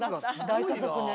大家族ね。